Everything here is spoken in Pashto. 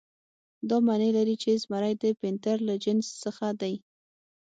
دا معنی لري چې زمری د پینتر له جنس څخه دی.